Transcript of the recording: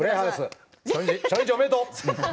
初日、おめでとう！